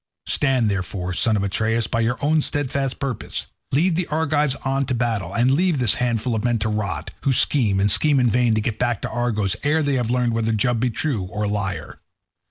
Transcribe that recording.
Stand, therefore, son of Atreus, by your own steadfast purpose; lead the Argives on to battle, and leave this handful of men to rot, who scheme, and scheme in vain, to get back to Argos ere they have learned whether Jove be true or a liar.